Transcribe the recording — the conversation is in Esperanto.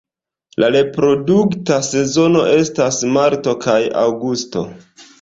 La reprodukta sezono estas marto kaj aŭgusto.